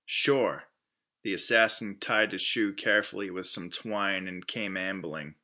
"Sure." The assassin tied his shoe carefully with some twine and came ambling.